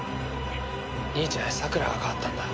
兄ちゃんやさくらが変わったんだ。